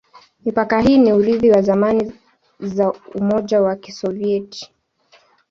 Mipaka hii ni urithi wa zamani za Umoja wa Kisovyeti.